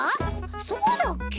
そうだっけ？